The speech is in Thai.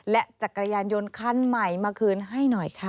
และจักรยานยนต์คันใหม่มาคืนให้หน่อยค่ะ